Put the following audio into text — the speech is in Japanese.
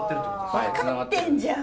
分かってんじゃん。